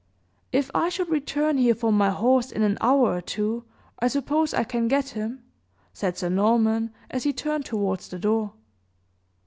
"If I should return here for my horse in an hour or two, I suppose I can get him?" sad Sir Norman, as he turned toward the door.